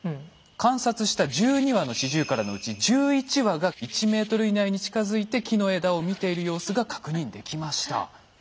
観察した１２羽のシジュウカラのうち１１羽が１メートル以内に近づいて木の枝を見ている様子が確認できました。